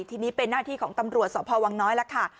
ทีนี้เป็นหน้าที่ของตำรวจสพวังน้อยแล้วค่ะ